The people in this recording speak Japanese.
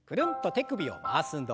手首を回す運動。